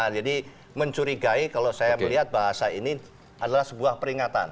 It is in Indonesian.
jadi mencurigai kalau saya melihat bahasa ini adalah sebuah peringatan